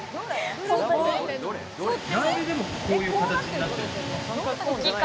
何で、こういう形になってるんですか？